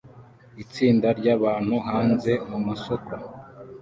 Itsinda ryabantu hanze mumasoko